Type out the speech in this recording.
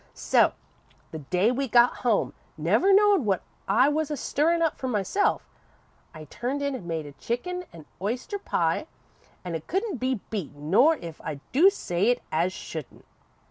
"So the day we got home, never knowin' what I was a stirrin' up for myself, I turned in an' made a chicken an' oyster pie, an' it couldn't be beat, not if I do say it as shouldn't.